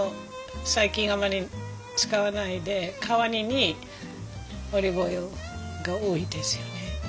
最近あまり使わないで代わりにオリーブオイルが多いですよね。